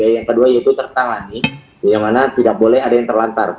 yang kedua yaitu tertangani yang mana tidak boleh ada yang terlantar